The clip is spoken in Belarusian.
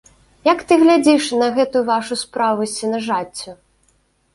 Як ты глядзіш на гэтую вашу справу з сенажаццю?